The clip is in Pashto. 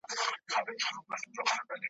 توري سرې وي د ورور ویني ترې څڅیږي ,